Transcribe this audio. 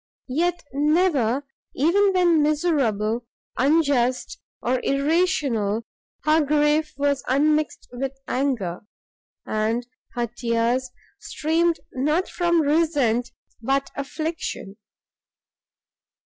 Yet never, even when miserable, unjust or irrational; her grief was unmixed with anger, and her tears streamed not from resentment, but affliction.